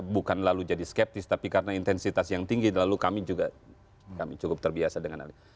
bukan lalu jadi skeptis tapi karena intensitas yang tinggi lalu kami juga kami cukup terbiasa dengan hal ini